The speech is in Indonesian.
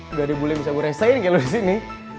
gak ada bule yang bisa gue resein kayak lo disini